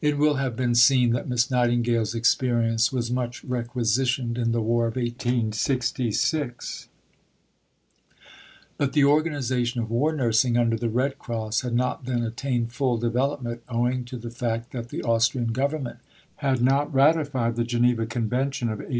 It will have been seen that Miss Nightingale's experience was much requisitioned in the War of 1866; but the organization of war nursing under the Red Cross had not then attained full development owing to the fact that the Austrian Government had not ratified the Geneva Convention of 1864.